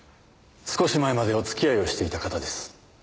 少し前までお付き合いをしていた方です。